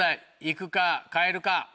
行くか変えるか。